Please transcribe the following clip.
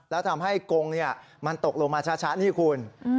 แล้วทำให้กงมันตกลงมาชะนี่คุณ